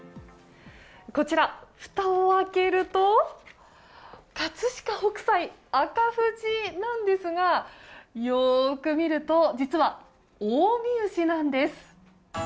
こちら、ふたを開けると葛飾北斎の赤富士なんですがよく見ると実は近江牛なんです。